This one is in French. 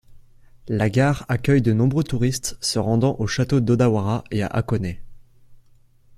La gare accueille de nombreux touristes se rendant au château d'Odawara et à Hakone.